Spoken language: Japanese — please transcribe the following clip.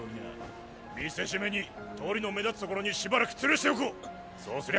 ・見せしめに通りの目立つ所にしばらく吊るしておこう！